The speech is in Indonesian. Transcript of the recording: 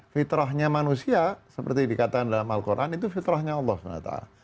fitrahnya manusia seperti dikatakan dalam al quran itu fitrahnya allah swt